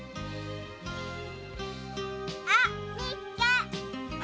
あみっけ！